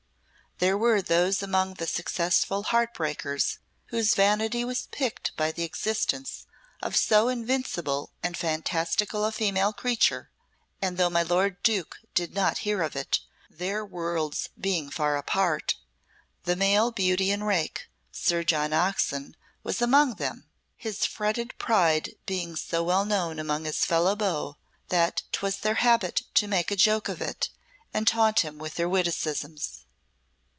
There were those among the successful heart breakers whose vanity was piqued by the existence of so invincible and fantastical a female creature, and though my lord Duke did not hear of it, their worlds being far apart, the male beauty and rake, Sir John Oxon, was among them, his fretted pride being so well known among his fellow beaux that 'twas their habit to make a joke of it and taunt him with their witticisms.